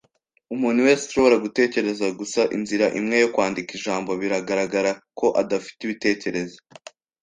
Umuntu wese ushobora gutekereza gusa inzira imwe yo kwandika ijambo biragaragara ko adafite ibitekerezo